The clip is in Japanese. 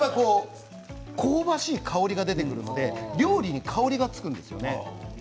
香ばしい香りが出てくるので料理に香りがつくんです。